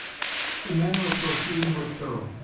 The manner of proceeding was thorough.